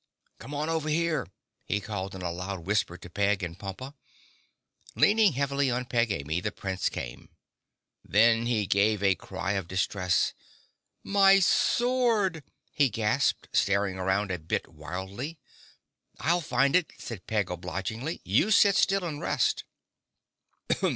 "C'mon over here," he called in a loud whisper to Peg and Pompa. Leaning heavily on Peg Amy the Prince came. Then he gave a cry of distress. "My sword!" he gasped, staring around a bit wildly. "I'll find it," said Peg obligingly. "You sit still and rest."